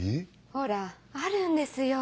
ほらあるんですよ。